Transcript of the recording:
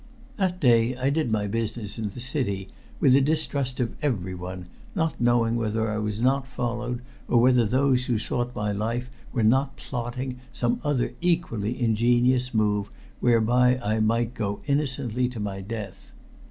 That day I did my business in the city with a distrust of everyone, not knowing whether I was not followed or whether those who sought my life were not plotting some other equally ingenious move whereby I might go innocently to my death.